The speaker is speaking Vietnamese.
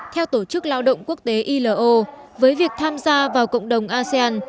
theo tổ chức lao động quốc tế ilo với việc tham gia vào cộng đồng asean